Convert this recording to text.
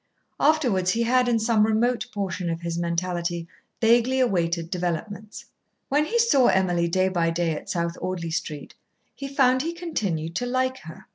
Afterwards he had, in some remote portion of his mentality, vaguely awaited developments. When he saw Emily day by day at South Audley Street, he found he continued to like her.